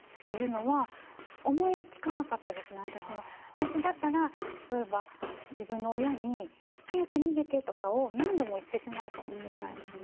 私だったら例えば自分の親に「早く逃げて」とかを何度も言ってしまうかもしれないですね。